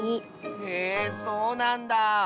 へえそうなんだ。